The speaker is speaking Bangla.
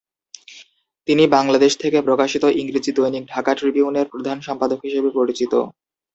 তিনি বাংলাদেশ থেকে প্রকাশিত ইংরেজি দৈনিক ঢাকা ট্রিবিউনের প্রধান সম্পাদক হিসেবে পরিচিত।